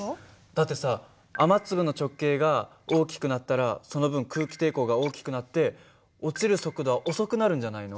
だってさ雨粒の直径が大きくなったらその分空気抵抗が大きくなって落ちる速度は遅くなるんじゃないの？